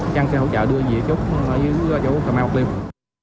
trăng sẽ hỗ trợ đưa về chỗ cà mau bạc liêu